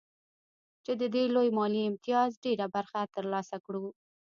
چې د دې لوی مالي امتياز ډېره برخه ترلاسه کړو